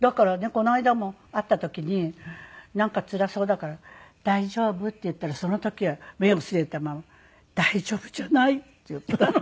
この間も会った時になんかつらそうだから「大丈夫？」って言ったらその時は目を据えたまま「大丈夫じゃない」って言ったの。